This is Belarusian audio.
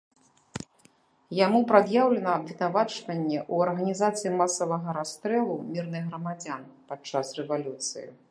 Яму прад'яўлена абвінавачванне ў арганізацыі масавага расстрэлу мірных грамадзян падчас рэвалюцыі.